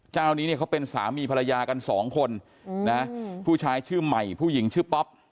เจ้านี้เนี่ยเขาเป็นสามีภรรยากันสองคนนะผู้ชายชื่อใหม่ผู้หญิงชื่อป๊อป